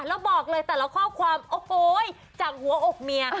แล้วบอกเลยแต่ละข้อความโอ้โหจากหัวอกเมีย